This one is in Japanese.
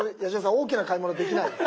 大きな買い物できないです。